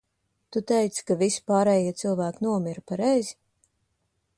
Tu teici, ka visi pārējie cilvēki nomira, pareizi?